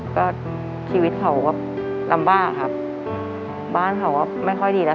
ก็ชีวิตเขาก็ลำบากครับบ้านเขาก็ไม่ค่อยดีแล้ว